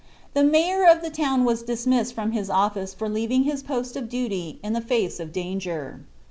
The Mayor of the town was dismissed from his office for leaving his post of duty in the face of danger.